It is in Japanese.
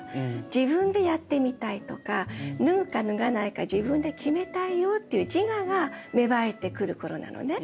自分でやってみたいとか脱ぐか脱がないか自分で決めたいよっていう自我が芽生えてくる頃なのね。